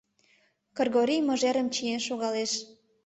Кыргорий мыжерым чиен шогалеш.